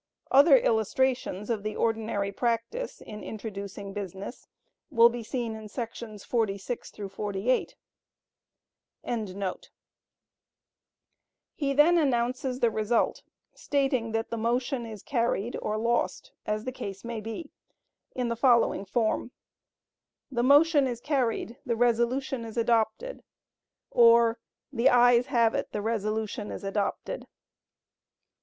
Other illustrations of the ordinary practice in introducing business will be seen in §§ 46 48.] He then announces the result, stating that the motion is carried, or lost, as the case may be, in the following form: "The motion is carried—the resolution is adopted;" or, "The ayes have it—the resolution is adopted."